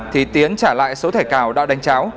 thì tiến trả lại số thẻ cào đã đánh cháo